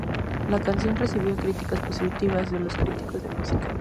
La canción recibió críticas positivas de los críticos de música.